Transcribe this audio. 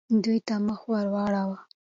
دوی ته مخ ورواړوه.